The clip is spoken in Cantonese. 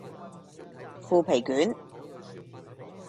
腐皮卷